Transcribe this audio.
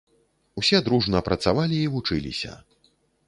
Усе дружна працавалі і вучыліся.